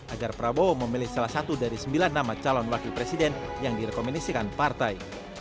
agar prabowo memilih salah satu dari sembilan nama calon wakil presiden yang direkomendasikan partai